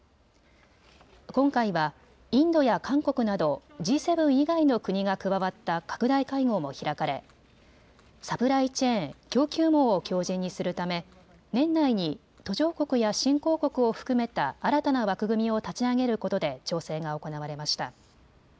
今回はインドや韓国などＧ７以外の国が加わった拡大会合も開かれサプライチェーン・供給網を強じんにするため年内に途上国や新興国を含めた新たな枠組みを立ち上げることで調整が行われました。